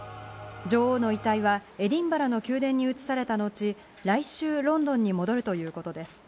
女王の遺体はエディンバラの宮殿に移された後、来週、ロンドンに戻るということです。